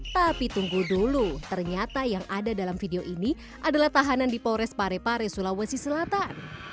tapi tunggu dulu ternyata yang ada dalam video ini adalah tahanan di polres parepare sulawesi selatan